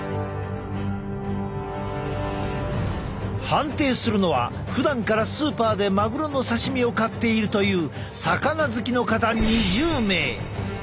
判定するのはふだんからスーパーでマグロの刺身を買っているという魚好きの方２０名。